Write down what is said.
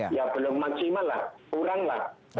ya belum maksimal lah kurang lah